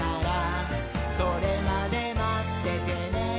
「それまでまっててねー！」